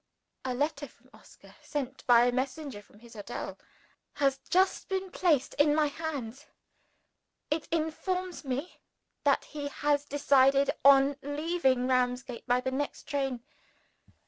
A letter from Oscar (sent by a messenger from his hotel) has just been placed in my hands. It informs me that he has decided on leaving Ramsgate by the next train.